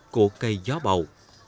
cổ cây gió bầu